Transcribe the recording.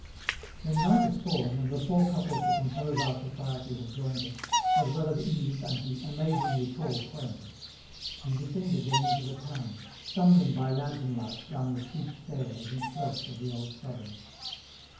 When night has fallen, and the four couples who compose our society have joined us, as well as Yves and the "amazingly tall friend" we descend again into the town, stumbling by lantern light down the steep stairways and slopes of the old suburb.